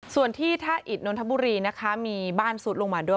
ส่วนที่ท่าอิตนนทบุรีนะคะมีบ้านซุดลงมาด้วย